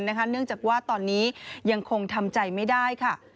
เนื่องจากว่าตอนนี้ยังคงทำใจไม่ได้ค่ะ